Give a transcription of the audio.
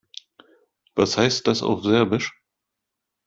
Was heißt das auf Serbisch?